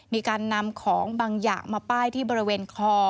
มีการนำของบางอย่างมาป้ายที่บริเวณคอ